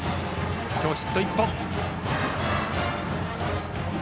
今日ヒット１本。